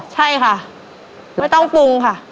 ใช่ค่ะไม่ต้องปรุงค่ะ